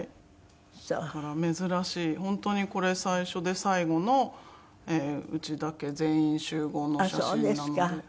だから珍しい本当にこれ最初で最後の内田家全員集合の写真なので。